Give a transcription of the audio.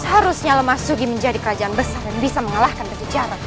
seharusnya lemah sugi menjadi kerajaan besar dan bisa mengalahkan ke sejarah